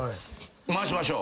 回しましょう。